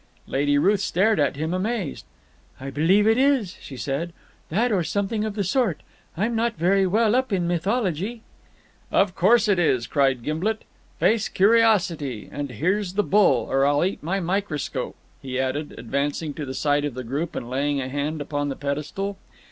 Lady Ruth stared at him amazed. "I believe it is," she said, "that or something of the sort. I'm not very well up in mythology." "Of course it is," cried Gimblet. "Face curiosity! And here's the bull, or I'll eat my microscope," he added, advancing to the side of the group and laying a hand upon the pedestal.